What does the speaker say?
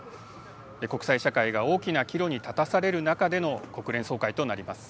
国際社会が大きな岐路に立たされる中での国連総会となります。